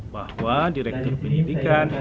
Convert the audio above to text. bahwa direktur penyidikan